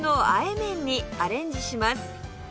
麺にアレンジします